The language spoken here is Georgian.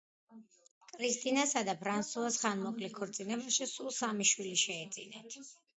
კრისტინასა და ფრანსუას ხანმოკლე ქორწინებაში სულ სამი შვილი შეეძინათ.